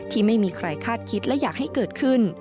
ที่ไม่มีใครคาดคิดและอยากให้เกิดขึ้น